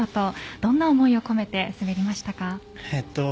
どんな思いを込めて滑りましたか？